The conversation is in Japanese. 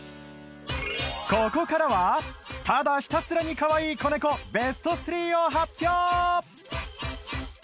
ここからはただひたすらにかわいい子ネコベスト３を発表